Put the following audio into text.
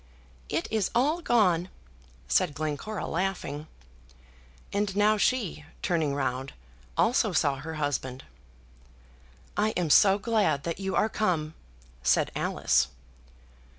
"It is all gone," said Glencora, laughing. And now she, turning round, also saw her husband. "I am so glad that you are come," said Alice.